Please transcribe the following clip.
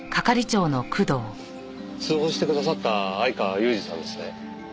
通報してくださった相川裕治さんですね？